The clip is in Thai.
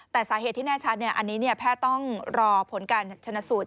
แต่สาเหตุที่แน่ชัดอันนี้แพทย์ต้องรอผลการชนะสูตร